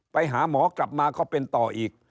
ไปหาหมอกลับมาก็เป็นต่ออีก